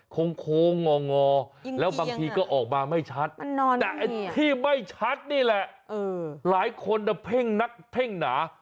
โค้งงองอแล้วบางทีก็ออกมาไม่ชัดแต่ไอ้ที่ไม่ชัดนี่แหละหลายคนเพ่งนักเพ่งหนา